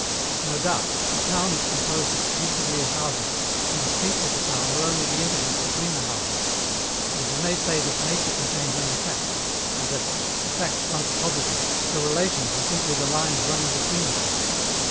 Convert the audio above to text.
No doubt, a town is composed exclusively of houses, and the streets of the town are only the intervals between the houses: so, we may say that nature contains only facts, and that, the facts once posited, the relations are simply the lines running between the facts.